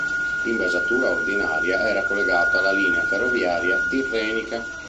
L'invasatura ordinaria era collegata alla linea ferroviaria tirrenica.